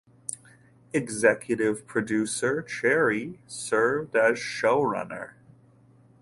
Executive producer Cherry served as showrunner.